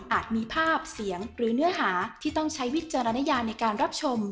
มีภาพเสียงหรือเนื้อหาที่ต้องใช้วิจารณญาในการรับชม